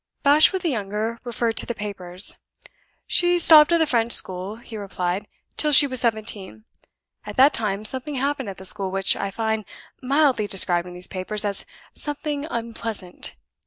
Bashwood the younger referred to the papers. "She stopped at the French school," he replied, "till she was seventeen. At that time something happened at the school which I find mildly described in these papers as 'something unpleasant.